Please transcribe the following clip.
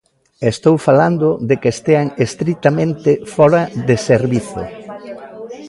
E estou falando de que estean estritamente fóra de servizo.